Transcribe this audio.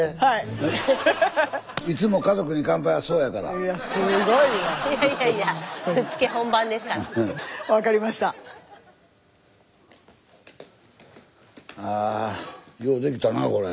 あようできたなこれ。